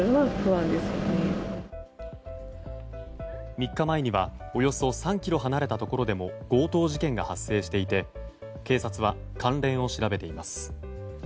３日前にはおよそ３ｋｍ離れたところでも強盗事件が発生していて警察は関連を調べています。